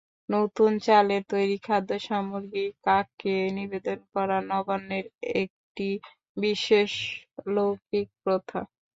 নতুন চালের তৈরি খাদ্যসামগ্রী কাককে নিবেদন করা নবান্নের একটি বিশেষ লৌকিক প্রথা।